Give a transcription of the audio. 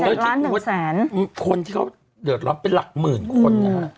เจ็ดล้านหนึ่งแสนคนที่เขาเดินรับเป็นหลักหมื่นคนอ่ะค่ะ